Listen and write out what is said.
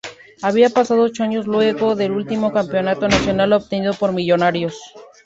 Habían pasado ocho años luego del último campeonato nacional obtenido por Millonarios.